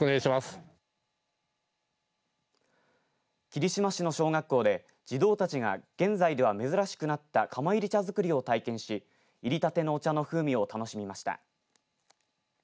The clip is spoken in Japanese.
霧島市の小学校で児童たちが現在では珍しくなった釜炒り茶づくりを体験しいりたてのお茶の風味を楽しみました。